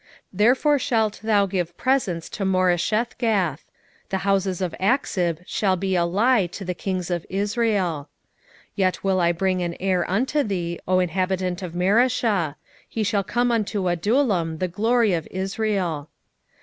1:14 Therefore shalt thou give presents to Moreshethgath: the houses of Achzib shall be a lie to the kings of Israel. 1:15 Yet will I bring an heir unto thee, O inhabitant of Mareshah: he shall come unto Adullam the glory of Israel.